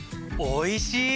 おいしい！